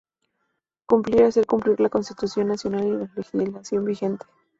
Cumplir y hacer cumplir la Constitución Nacional y la legislación vigente.